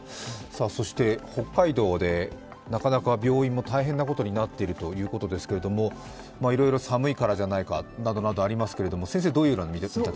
北海道でなかなか病院も大変なことになっているということですけれども、寒いからじゃないかなどなどありますけれども。